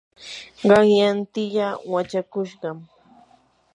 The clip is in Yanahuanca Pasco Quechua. qanyan tiyaa wachakushqam.